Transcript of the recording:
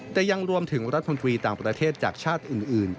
แต่ยังรวมถึงรัฐมนตรีต่างประเทศจากชาติอื่น